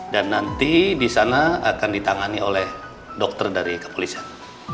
dan nanti disana akan ditangani oleh dokter dari kepolisian